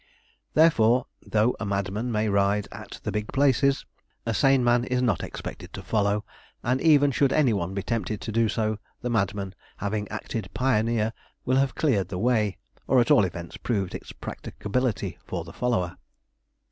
Therefore, though a madman may ride at the big places, a sane man is not expected to follow; and even should any one be tempted so to do, the madman having acted pioneer, will have cleared the way, or at all events proved its practicability for the follower.